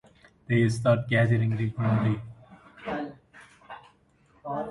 They start gathering regularly and Seykota develops methods to support personal growth.